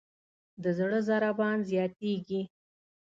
د زړه ضربان زیاتېږي.